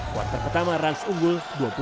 quarter pertama rans unggul dua puluh lima empat belas